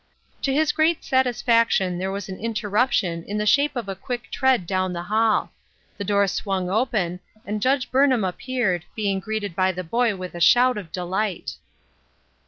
To his great satisfaction there was an interrup tion in the shape of a quick tread down the hall ; the door swung open, and Judge Burnham ap peared, being greeted by the boy with a shout of delight.